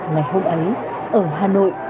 ngày hôm ấy ở hà nội